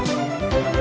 thứ này là đội ngũ